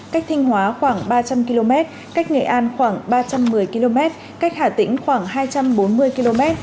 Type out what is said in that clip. cách thanh hóa khoảng ba trăm linh km cách nghệ an khoảng ba trăm một mươi km cách hà tĩnh khoảng hai trăm bốn mươi km